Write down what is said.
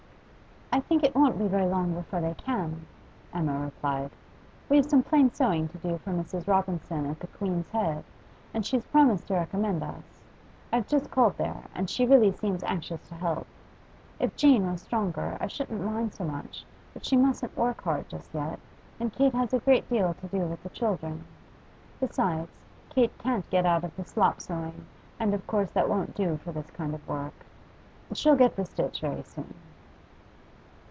'I think it won't be very long before they can,' Emma replied; 'we have some plain sewing to do for Mrs. Robinson at the "Queen's Head," and she's promised to recommend us. I've just called there, and she really seems anxious to help. If Jane was stronger I shouldn't mind so much, but she mustn't work hard just yet, and Kate has a great deal to do with the children. Besides, Kate can't get out of the slop sewing, and of course that won't do for this kind of work. She'll get the stitch very soon.